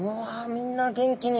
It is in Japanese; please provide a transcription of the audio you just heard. みんな元気に。